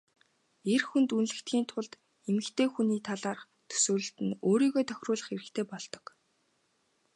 Эр хүнд үнэлэгдэхийн тулд эмэгтэй хүний талаарх төсөөлөлд нь өөрийгөө тохируулах хэрэгтэй болдог.